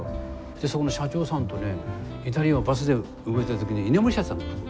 でそこの社長さんとねイタリアをバスで動いてる時に居眠りしちゃったんです僕。